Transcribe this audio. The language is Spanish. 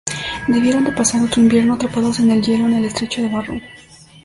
Debieron de pasar otro invierno atrapados en el hielo en el estrecho de Barrow.